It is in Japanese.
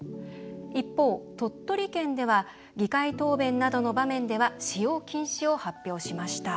一方、鳥取県では議会答弁などの場面では使用禁止を発表しました。